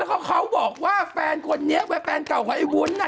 แล้วเขาบอกว่าแฟนคนนี้แฟนเก่ากว่าไอ้วุ้นนะ